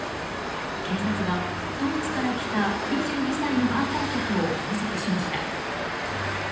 警察はドイツから来た２２歳の観光客を拘束しました。